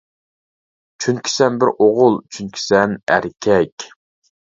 چۈنكى سەن بىر ئوغۇل، چۈنكى سەن ئەركەك!